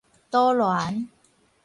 都鑾